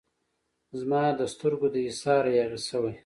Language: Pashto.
زما د سترګو د حصاره یاغي شوی